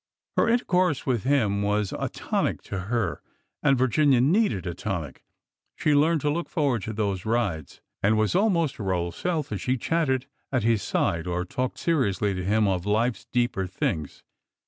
Her intercourse with him was a tonic to her, and Vir ginia needed a tonic. She learned to look forward to those rides, and was almost her old self as she chatted at his side or talked seriously to him of life's deeper things.